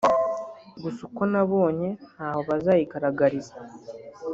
Gusa uko nabonye ntaho bazayigaragariza